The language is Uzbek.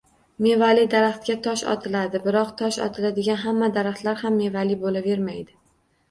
Mevali daraxtga tosh otiladi, biroq tosh otiladigan hamma daraxtlar ham mevali bo‘lavermaydi.